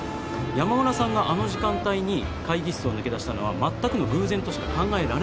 山村さんがあの時間帯に会議室を抜け出したのは全くの偶然としか考えられないんです。